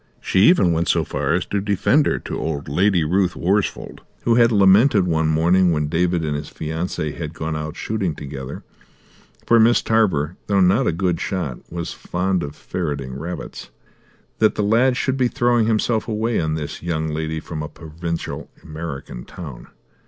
She even went so far as to defend her to old Lady Ruth Worsfold, who had lamented one morning when David and his fiancee had gone out shooting together for Miss Tarver, though not a good shot, was fond of ferreting rabbits that the lad should be throwing himself away on this young lady from a provincial American town.